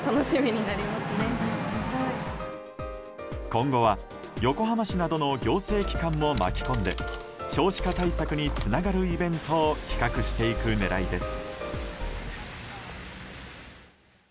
今後は横浜市などの行政機関も巻き込んで少子化対策につながるイベントを企画していく狙いです。